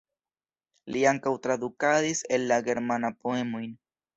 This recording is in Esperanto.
Li ankaŭ tradukadis el la germana poemojn.